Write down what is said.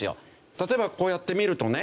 例えばこうやって見るとね